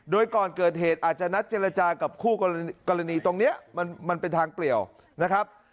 โดยก่อนเกิดเหตุอาจจะนัดเจรจากับคู่กรณีตรงนี้มันเป็นทางเปลี่ยวนะครับ